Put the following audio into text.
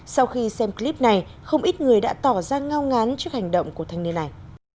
sau khi xem clip này không ít người đã tỏ ra ngao ngán trước hành động của thanh niên này